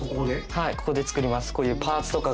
はいここで作ります。